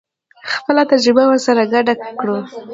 خپله تجربه ورسره ګډه کړو.